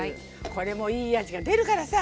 これもいい味が出るからさ